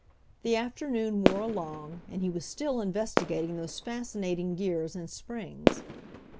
The afternoon wore along, and he was still investigating those fascinating gears and springs.